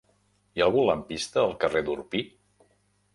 Hi ha algun lampista al carrer d'Orpí?